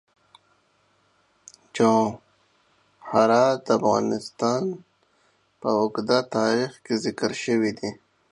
جواهرات د افغانستان په اوږده تاریخ کې ذکر شوی دی.